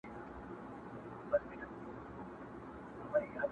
په سختو کي ملګری د ذره یې الطیفه